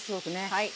はい。